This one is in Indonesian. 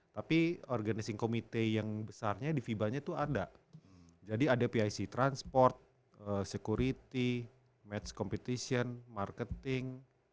tapi organizing committee yang besarnya di fibanya itu ada jadi ada pic transport security match competition marketing